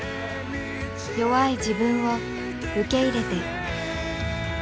弱い自分を受け入れて。